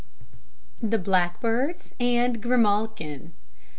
THE BLACKBIRDS AND GRIMALKIN.